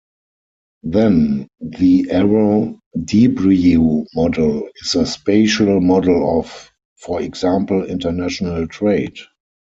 Then the Arrow-Debreu model is a spatial model of, for example, international trade.